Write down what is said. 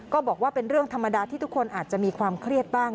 ก็บอกว่าเป็นเรื่องธรรมดาที่ทุกคนอาจจะมีความเครียดบ้าง